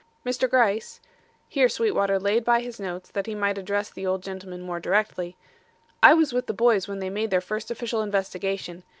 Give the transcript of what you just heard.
"Mr. Gryce," (here Sweetwater laid by his notes that he might address the old gentleman more directly), "I was with the boys when they made their first official investigation.